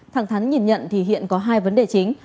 thẳng thắn nhìn nhận thì hiện có hai vấn đề chính